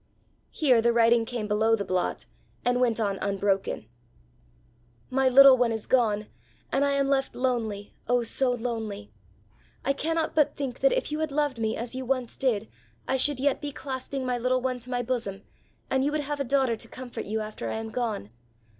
Here the writing came below the blot, and went on unbroken. "My little one is gone and I am left lonely oh so lonely. I cannot but think that if you had loved me as you once did I should yet be clasping my little one to my bosom and you would have a daughter to comfort you after I am gone.